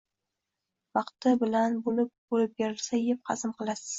Vaqti bilan, bo‘lib-bo‘lib berilsa, yeb, hazm qilasiz.